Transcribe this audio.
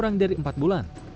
kurang dari empat bulan